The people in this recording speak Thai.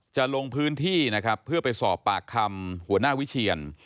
จะลงพื้นที่นะครับเพื่อไปสอบปากคำหัวหน้าวิเชียน